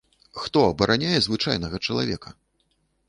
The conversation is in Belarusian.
Хто абараняе звычайнага чалавека?